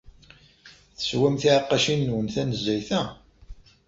Teswam tiɛeqqacin-nwen tanezzayt-a?